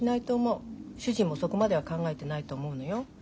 主人もそこまでは考えてないと思うのよ。